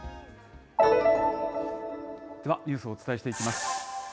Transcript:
ではニュースをお伝えしていきます。